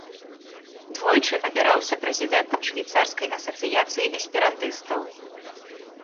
Двойчы абіраўся прэзідэнтам швейцарскай асацыяцыі эсперантыстаў.